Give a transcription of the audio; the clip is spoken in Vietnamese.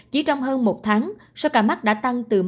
chỉ trong hơn một tháng soka mắc đã tăng từ một năm